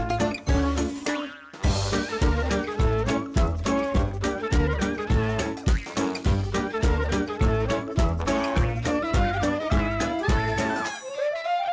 ครับพี่ครับชีวิตว่าวุลจริงเลยอะหลังจากว่าผีหลอกเดี๋ยวที่โน่นที่นอน